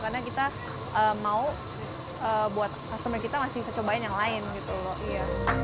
karena kita mau buat customer kita masih bisa cobain yang lain gitu loh